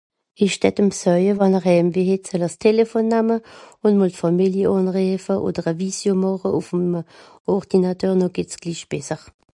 Ìch dätt'm soeje, wann'r häämweh het, soll'r 's Telefon namme ùn mol Fàmili ànrìefe odder e Visio màche ùff'm Ordinateur noh geht's glich besser.